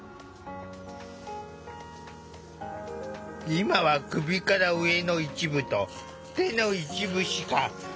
今は首から上の一部と手の一部しか動かせないため。